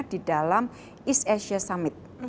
di dalam east asia summit